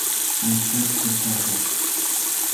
I had to have it.